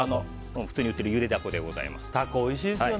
普通に売っているゆでダコでございます。